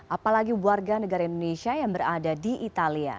apalagi warga negara indonesia yang berada di italia